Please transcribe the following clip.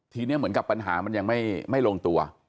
ทีนี้เหมือนกับปัญหามันยังไม่ลงตัว